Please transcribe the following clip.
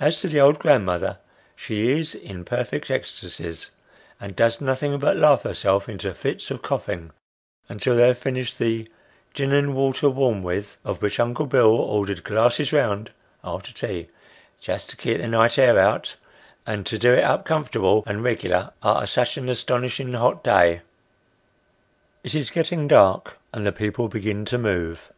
As to the old grandmother, she is in perfect ecstasies, and does nothing but laugh herself into fits of cough ing, until they have finished the " gin and water warm with," of which Uncle Bill ordered " glasses round " after tea, "just to keep the night air out, and do it up comfortable and riglar arter sitch an as tonishing hot day!" It is getting dark, and the people begin to move.